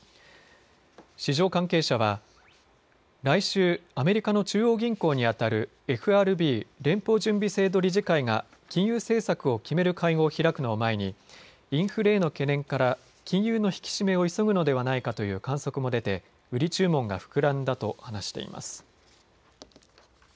市場関係者は来週、アメリカの中央銀行にあたるＦＲＢ・連邦準備制度理事会が金融政策を決める会合を開くのを前にインフレへの懸念から金融の引き締めを急ぐのではないかという観測も出て売り注文が膨らんだと話しています。